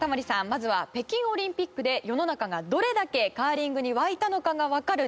まずは北京オリンピックで世の中がどれだけカーリングに沸いたのかがわかるデータがありますので。